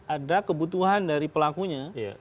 ada kebutuhan dari pelakunya